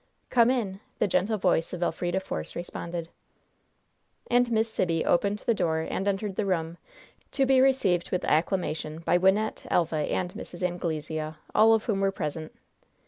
"Come in!" the gentle voice of Elfrida Force responded. And Miss Sibby opened the door and entered the room, to be received with acclamation by Wynnette, Elva and Mrs. Anglesea, all of whom were present.